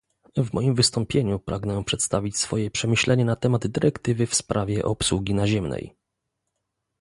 W moim wystąpieniu pragnę przedstawić swoje przemyślenia na temat dyrektywy w sprawie obsługi naziemnej